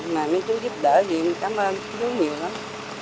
mấy chú giúp đỡ cảm ơn chú nhiều lắm